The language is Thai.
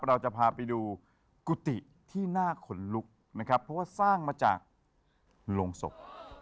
เราจะพาไปดูกุฏิที่น่าขนลุกนะครับเพราะว่าสร้างมาจากโรงศพ